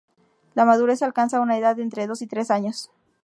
La madurez se alcanza a una edad de entre dos y tres años.